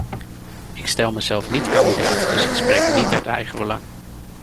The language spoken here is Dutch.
Ik stel mezelf niet kandidaat, dus ik spreek niet uit eigenbelang.